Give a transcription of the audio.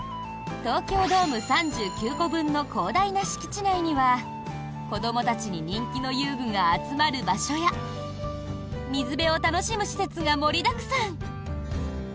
東京ドーム３９個分の広大な敷地内には子どもたちに人気の遊具が集まる場所や水辺を楽しむ施設が盛りだくさん。